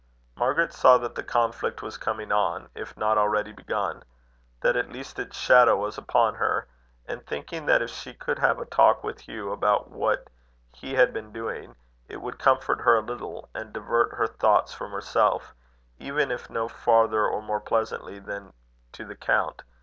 Margaret saw that the conflict was coming on, if not already begun that at least its shadow was upon her; and thinking that if she could have a talk with Hugh about what he had been doing, it would comfort her a little, and divert her thoughts from herself, even if no farther or more pleasantly than to the count.